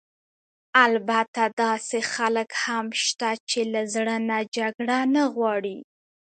البته داسې خلک هم شته چې له زړه نه جګړه نه غواړي.